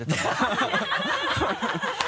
ハハハ